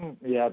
masih ada mas